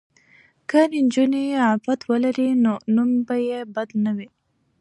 که نجونې عفت ولري نو نوم به یې بد نه وي.